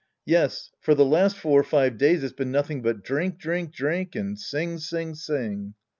Yes, for the last four or five days it's been nothing but drink, drink, drink, and sing> sing, sing.